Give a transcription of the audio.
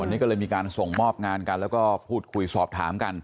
วันนี้ก็เลยมีการส่งมอบงานกันแล้วก็พูดคุยสอบถามกัน